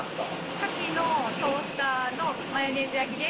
カキのトースターのマヨネーズ焼きです。